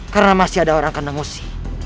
karena masih ada orang kandang usih